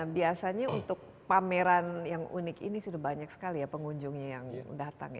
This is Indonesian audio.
biasanya untuk pameran yang unik ini sudah banyak sekali ya pengunjungnya yang datang ya